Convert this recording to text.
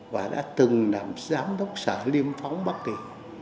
và đã từng làm giám đốc sở liêm phóng bắc kỳ